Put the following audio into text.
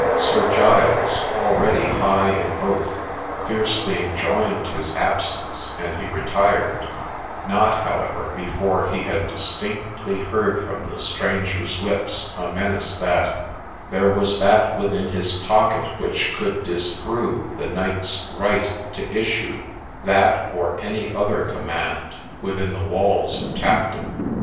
Sir Giles, already high in oath, fiercely enjoined his absence, and he retired ; not, however, before he had distinctly heard from the stranger's lips a menace that ' There was that within his pocket which could disprove the knight's right to issue that or any other command within the walls of Tapton.'